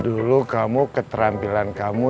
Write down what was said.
dulu kamu ketrampilan kamu